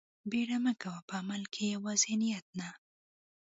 بيړه مه کوه په عمل کښې يوازې نيت نه.